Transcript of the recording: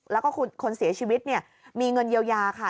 แล้วก็คนเสียชีวิตเนี่ยมีเงินเยียวยาค่ะ